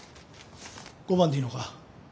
５万でいいのか？